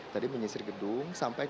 tadi menyisir gedung sampai